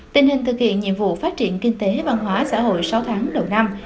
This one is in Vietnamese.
tình hình thực hiện nhiệm vụ phát triển kinh tế văn hóa xã hội sáu tháng đầu năm